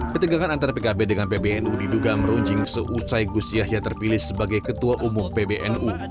ketegangan antara pkb dengan pbnu diduga merunjing seusai gus yahya terpilih sebagai ketua umum pbnu